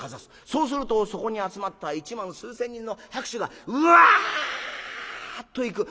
そうするとそこに集まった１万数千人の拍手がウワッといく。